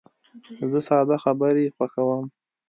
زه ساده خبرې خوښوم.